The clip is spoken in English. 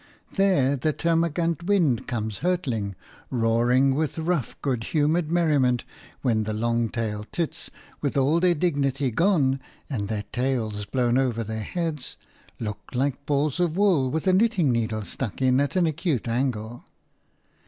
There the termagant wind comes hurtling, roaring with rough, good humoured merriment, when the long tailed tits, with all their dignity gone and their tails blown over their heads, look like balls of wool with a knitting needle stuck in at an acute angle.